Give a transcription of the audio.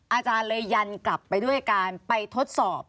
อาจารย์เลยยันกลับไปด้วยการไปทดสอบ